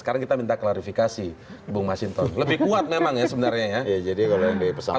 kita minta klarifikasi bung masjid lebih kuat memang sebenarnya jadi kalau yang di pesan